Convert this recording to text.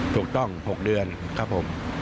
ถูกต้อง๖เดือนครับผม